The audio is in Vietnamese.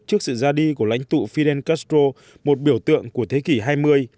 trước sự ra đi của lãnh tụ fidel castro một biểu tượng của thế kỷ hai mươi